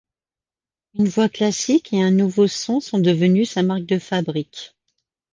Une voix classique et un nouveau son sont devenus sa marque de fabrique.